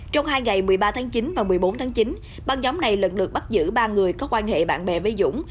trong hai ngày một mươi ba tháng chín và một mươi bốn tháng chín băng nhóm này lận lượt bắt giữ ba người có quan hệ bạn bè với dũng